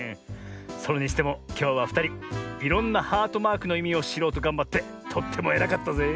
それにしてもきょうはふたりいろんなハートマークのいみをしろうとがんばってとってもえらかったぜえ。